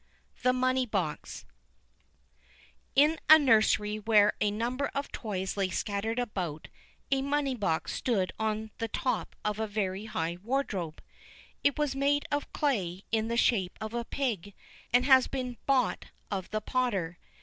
The Money box In a nursery where a number of toys lay scattered about, a Money box stood on the top of a very high wardrobe. It was made of clay in the shape of a pig, and had been bought of the potter.